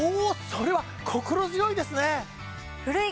それは心強いですね！